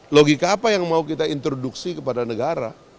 logika apa yang mau kita introduksi kepada negara